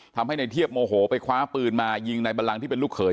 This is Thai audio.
ทำให้ในเทียบโมโหไปคว้าปืนมายิงในบันลังที่เป็นลูกเขย